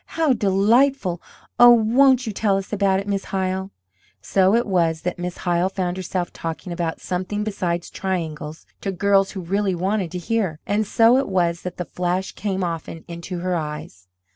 "How delightful! Oh, won't you tell us about it, Miss Hyle?" So it was that Miss Hyle found herself talking about something besides triangles to girls who really wanted to hear, and so it was that the flash came often into her eyes.